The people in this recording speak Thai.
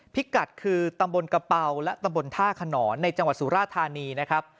พิกัดคือตำบนกระเป๋าและตำบนท่าขนรในจังหวัดศรษฐราษณีย์นะครับ